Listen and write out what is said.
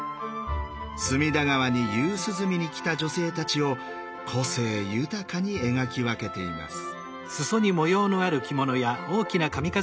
隅田川に夕涼みに来た女性たちを個性豊かに描き分けています。